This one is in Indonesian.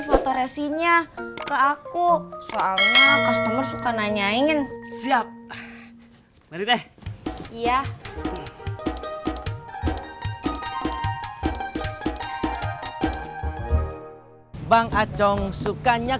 foto resinnya ke aku soalnya customer suka nanyain siap meriah iya bang acong sukanya